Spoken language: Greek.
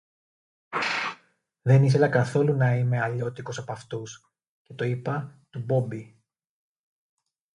Δεν ήθελα καθόλου να είμαι αλλιώτικος απ' αυτούς, και το είπα του Μπόμπη